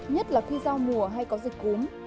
nhất là khi giao mùa hay có dịch cúm